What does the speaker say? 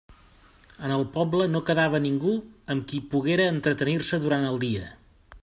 En el poble no quedava ningú amb qui poguera entretenir-se durant el dia.